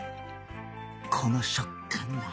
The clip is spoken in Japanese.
この食感だ